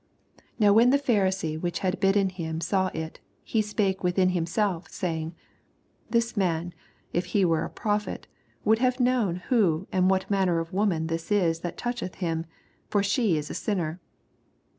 89 Now when the Pharisee which had bidden him saw U, he spake with in himself, saying. This man. i^he were a prophet, woald have known who ana what manner of woman thia u that tOQoheth him: for she is a sinner.